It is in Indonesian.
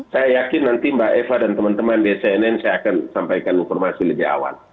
saya yakin nanti mbak eva dan teman teman di cnn saya akan sampaikan informasi lebih awal